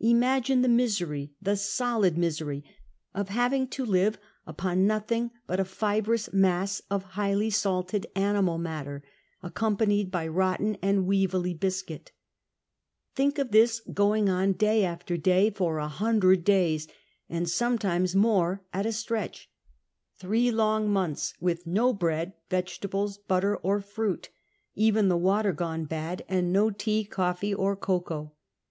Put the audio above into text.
Imagine the misery, the solid misery, of having to live upon nothing but a fibrous mass of highly salted animal matter, accompanied by rotten and weevily biscuit ! Think of this going on day after day for a hundred days, and sometimes more, at a stretch — three long months — with no bread, vegetables, butter, or fruit ; even the water gone bad, and no tea, coffee, or cocoa.